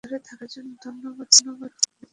ধৈর্য্য ধরে থাকার জন্য ধন্যবাদ, স্যার।